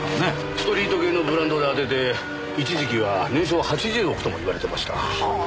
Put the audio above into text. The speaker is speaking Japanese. ストリート系のブランドで当てて一時期は年商８０億とも言われてました。